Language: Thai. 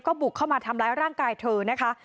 บุกเข้ามาทำร้ายร่างกายเธอนะคะ